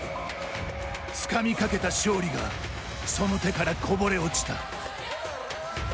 つかみかけた勝利がその手から、こぼれ落ちた。